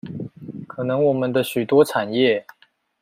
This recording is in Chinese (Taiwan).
可能我們的許多產業